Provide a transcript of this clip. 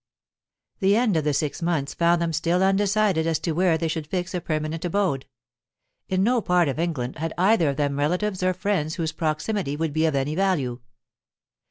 The end of the six months found them still undecided as to where they should fix a permanent abode. In no part of England had either of them relatives or friends whose proximity would be of any value.